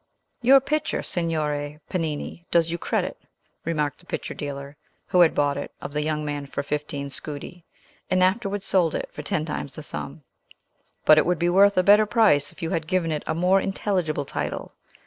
"Your picture, Signore Panini, does you credit," remarked the picture dealer, who had bought it of the young man for fifteen scudi, and afterwards sold it for ten times the sum; "but it would be worth a better price if you had given it a more intelligible title.